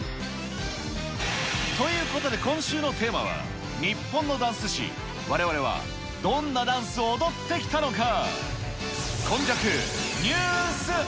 ということで、今週のテーマは、日本のダンス史、われわれはどんなダンスを踊ってきたのか？